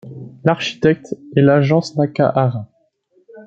L'architecte est l'agence Nakahara.